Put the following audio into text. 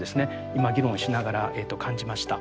今議論しながら感じました。